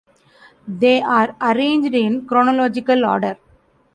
They are arranged in chronological order.